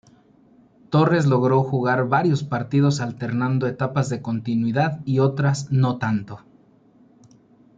Torres logró jugar varios partidos alternando etapas de continuidad y otras no tanto.